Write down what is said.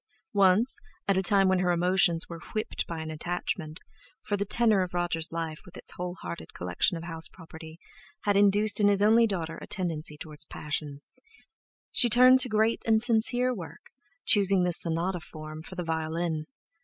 Once, at a time when her emotions were whipped by an attachment—for the tenor of Roger's life, with its whole hearted collection of house property, had induced in his only daughter a tendency towards passion—she turned to great and sincere work, choosing the sonata form, for the violin.